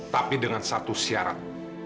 tapi dengan satu syarat